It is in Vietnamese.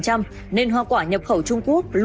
chính mạch từ trung quốc